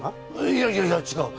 いやいやいや違う！